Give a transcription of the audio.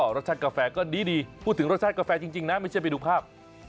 รสชาติกาแฟก็ดีพูดถึงรสชาติกาแฟจริงนะไม่ใช่ไปดูภาพ